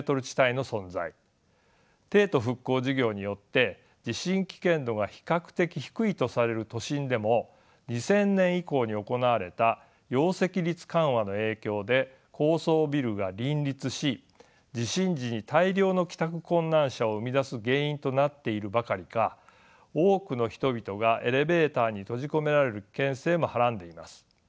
帝都復興事業によって地震危険度が比較的低いとされる都心でも２０００年以降に行われた容積率緩和の影響で高層ビルが林立し地震時に大量の帰宅困難者を生み出す原因となっているばかりか多くの人々がエレベーターに閉じ込められる危険性もはらんでいます。